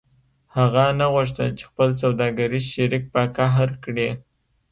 هغه نه غوښتل چې خپل سوداګریز شریک په قهر کړي